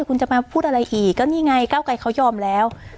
คุณจะมาพูดอะไรอีกก็นี่ไงเก้าไกรเขายอมแล้ว